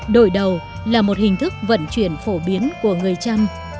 đổi đầu là một hình thức vận chuyển phổ biến của người trăm